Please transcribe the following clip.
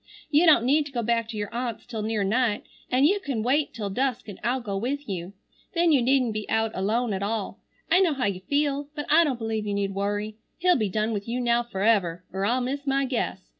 You don't need to go back to your aunt's till near night, an' you can wait till dusk an' I'll go with you. Then you needn't be out alone at all. I know how you feel, but I don't believe you need worry. He'll be done with you now forever, er I'll miss my guess.